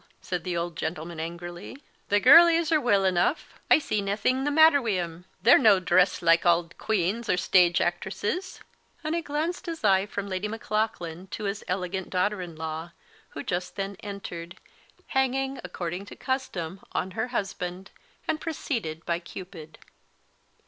said the old gentleman angrily; "the girlies are weel eneugh; I see naething the matter wi' them; they're no dresse like auld queens or stage actresses;" and he glance his eye from Lady Maclaughlan to his elegant daughter in law, who just then entered, hanging, according to custom, on her husband, and preceded by Cupid.